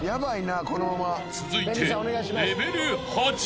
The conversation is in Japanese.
［続いて］